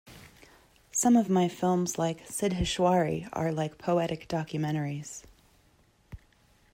Some of my films like "Siddheshwari" are like poetic documentaries.